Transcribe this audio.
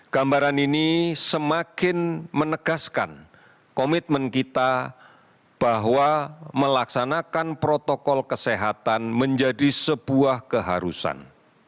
gambaran ini semakin menegaskan komitmen kita bahwa melaksanakan protokol kesehatan menjadi sebuah keharusan